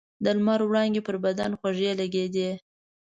د لمر وړانګې پر بدن خوږې لګېدې.